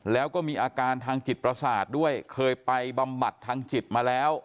แล้วก็มีอาการทางจิตประสาทด้วยเคยไปบำบัดทางจิตมาแล้ว